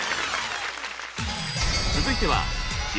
続いては。